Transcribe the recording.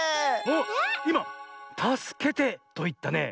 いま「たすけて」といったね。